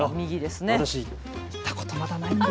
私行ったことまだないんです。